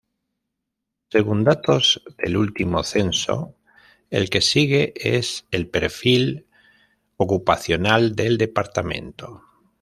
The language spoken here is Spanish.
Según datos del último censo, el que sigue es el perfil ocupacional del departamento.